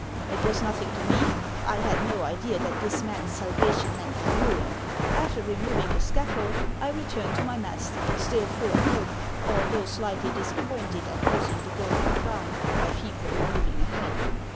It was nothing to me. I had no idea that this man's salvation meant my ruin. After removing the scaffold, 1 returned to my master still full of hope, although slightly disappointed at losing the golden crown, my fee for removing a head.